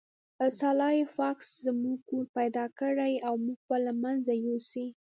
سلای فاکس زموږ کور پیدا کړی او موږ به له منځه یوسي